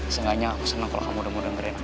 seenggaknya aku senang kalau kamu udah mau dengerin aku